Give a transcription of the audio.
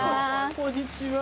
こんにちは。